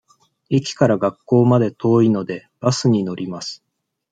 駅から学校まで遠いので、バスに乗ります。